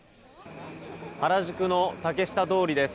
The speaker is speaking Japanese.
原宿の竹下通りです。